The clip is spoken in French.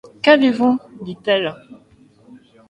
Qu’avez-vous ? dit-elle.